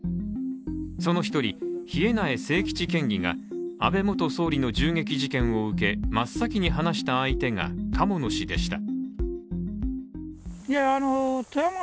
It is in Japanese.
その１人、稗苗清吉県議が安倍元総理の銃撃事件を受け真っ先に話した相手が、鴨野氏でした。